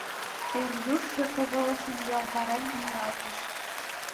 Эр юж шӱргывылышым юалтарен ниялтыш.